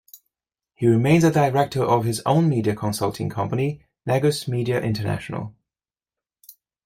He remains a director of his own media consulting company, Negus Media International.